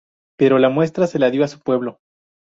Pero la muestra se la dio su pueblo.